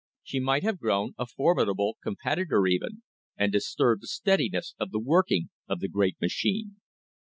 She might have grown a formidable competitor even, and disturbed the steadiness of the working of the great machine.